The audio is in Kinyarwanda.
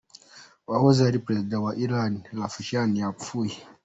Uwahoze ari prezida wa Iran Rafsanjani yapfuye.